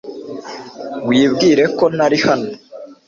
Wibwire ko ntari hano .